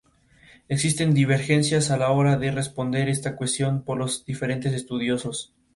La trama de "Días del futuro pasado" avanza en dos líneas temporales distintas.